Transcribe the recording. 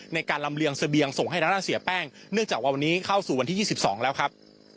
ในการลำเลียงเสบียงส่งให้ทางด้านเสียแป้งเนื่องจากว่าวันนี้เข้าสู่วันที่๒๒แล้วครับ